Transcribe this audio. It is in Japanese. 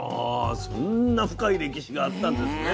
そんな深い歴史があったんですね。